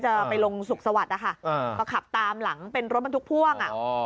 จะไปลงสุขสวัสดิ์นะคะก็ขับตามหลังเป็นรถบรรทุกพ่วงอ่ะ